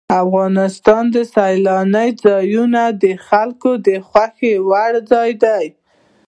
افغانستان کې سیلانی ځایونه د خلکو د خوښې وړ ځای دی.